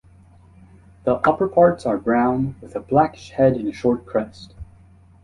The upperparts are brown, with a blackish head and short crest.